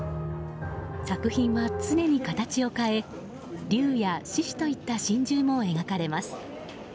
作品は常に形を変え竜や獅子といった神獣も描かれます。